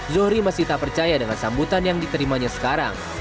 zohri masih tak percaya dengan sambutan yang diterimanya sekarang